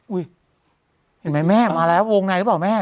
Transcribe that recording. อุ๊ยเห็นไหมแม่มาแล้วโวงนายหรือเปล่า